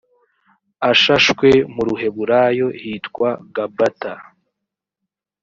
ashashwe mu ruheburayo hitwa gabata